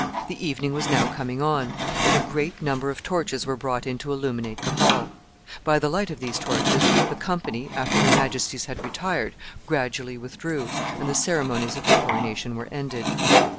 The evening was now coming on, and a great number of torches were brought in to illuminate the hall. By the light of these torches, the company, after their majesties had retired, gradually withdrew, and the ceremonies of the coronation were ended.